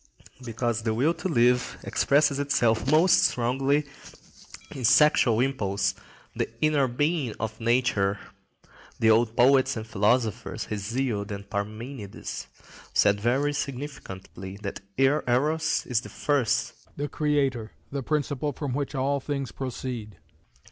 Because the will to live expresses itself most strongly in the sexual impulse, the inner being of nature, the old poets and philosophers—Hesiod and Parmenides—said very significantly that Eros is the first, the creator, the principle from which all things proceed.